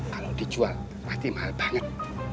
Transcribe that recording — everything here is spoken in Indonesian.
kalau dijual pasti mahal banget